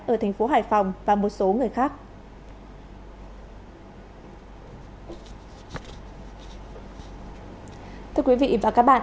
ở tp hcm và một số người khác